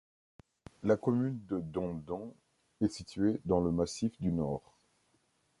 La commune de Dondon est située dans le massif du Nord.